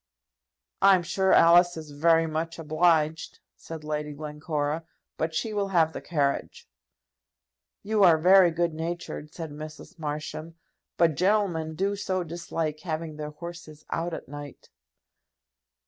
"I'm sure Alice is very much obliged," said Lady. Glencora; "but she will have the carriage." "You are very good natured," said Mrs. Marsham; "but gentlemen do so dislike having their horses out at night."